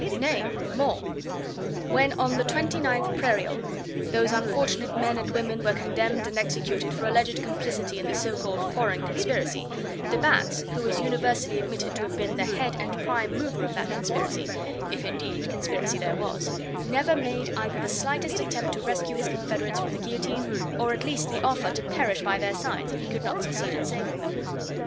Nay more; when on the 29th Prairial those unfortunate men and women were condemned and executed for alleged complicity in the so called "Foreign Conspiracy," de Batz, who is universally admitted to have been the head and prime mover of that conspiracy if, indeed, conspiracy there was never made either the slightest attempt to rescue his confederates from the guillotine, or at least the offer to perish by their side if he could not succeed in saving them.